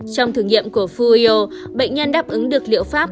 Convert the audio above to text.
trong thử nghiệm của fueo bệnh nhân đáp ứng được liệu pháp